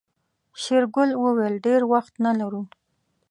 شېرګل وويل ډېر وخت نه لرو.